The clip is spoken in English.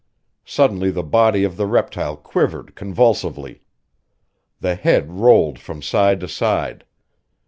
Suddenly the body of the reptile quivered convulsively. The head rolled from side to side.